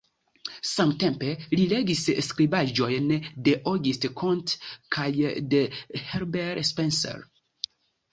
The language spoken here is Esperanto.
Samtempe li legis skribaĵojn de Auguste Comte kaj de Herbert Spencer.